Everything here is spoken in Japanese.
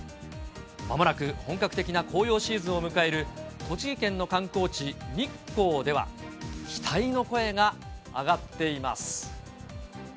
まもなく本格的な紅葉シーズンを迎える栃木県の観光地、日光では期待の声が上がっています。